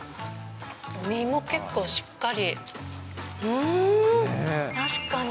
身も結構しっかり。